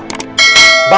bahkan ada yang tahu